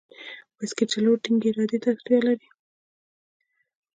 بایسکل چلول ټینګې ارادې ته اړتیا لري.